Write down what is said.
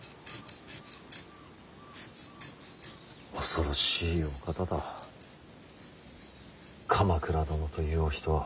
恐ろしいお方だ鎌倉殿というお人は。